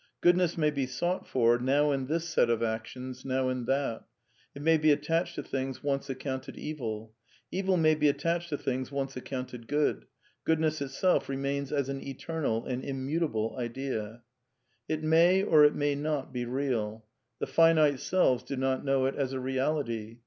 Goodness may be sought for, now in this set of actions, now in that. It may be attached to things once accounted evil. Evil may be attached to things once accounted good. Goodness it self remains as an eternal and immutable Idea. It may or it may not be real. The finite selves do not know it as a reality.